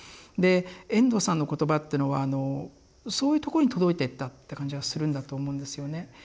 で遠藤さんの言葉ってのはあのそういうとこに届いていったって感じがするんだと思うんですよね。